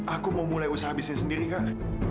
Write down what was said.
aku mau mulai usaha bisnis sendiri kak